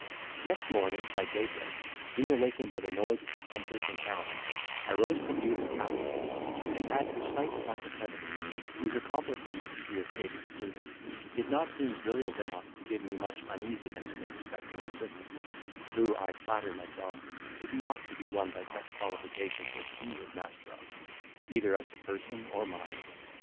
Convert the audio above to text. Next morning, by daybreak, being awakened by the noise of the hunters and hounds, I rose to view the cavalcade, and had a sight of my competitor, whose accomplishments (the estate excluded) did not seem brilliant enough to give me much uneasiness with respect to Narcissa, who, I flattered myself, was not to be won by such qualifications as he was master of, either as to person or mind.